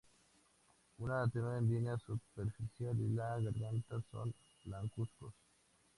Una tenue línea superciliar y la garganta son blancuzcos.